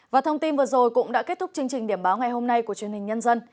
và thông tin vừa rồi cũng đã kết thúc chương trình điểm báo ngày hôm nay của truyền hình nhân dân